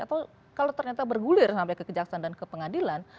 atau kalau ternyata bergulir sampai ke kejaksaan dan ke pengadilan